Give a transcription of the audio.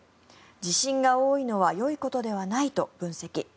地震が多いのはよいことではないと分析。